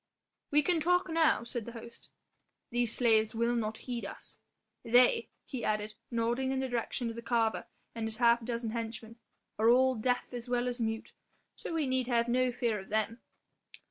"We can talk now," said the host; "these slaves will not heed us. They," he added, nodding in the direction of the carver and his half dozen henchmen, "are all deaf as well as mute, so we need have no fear of them."